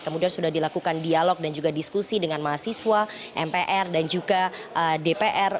kemudian sudah dilakukan dialog dan juga diskusi dengan mahasiswa mpr dan juga dpr